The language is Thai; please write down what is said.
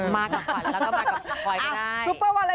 มากับฝันแล้วก็มากับฝันก็ได้